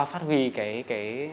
phát huy cái